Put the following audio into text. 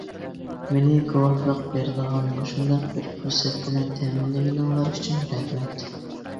مېنى گۇۋاھلىق بېرىدىغان مۇشۇنداق بىر پۇرسەت بىلەن تەمىنلىگىنىڭلار ئۈچۈن رەھمەت.